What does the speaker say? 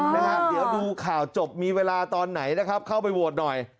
เดี๋ยวดูข่าวจบมีเวลาตอนไหนเข้าไปโหวตหน่อย